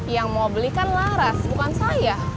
yang mau beli kan laras bukan saya